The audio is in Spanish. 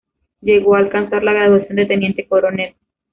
Llegó a alcanzar la graduación de teniente coronel.